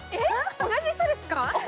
同じ人ですか？